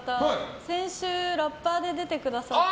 先週、ラッパーで出てくださった。